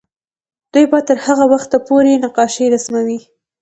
دوی به تر هغه وخته پورې نقشې رسموي.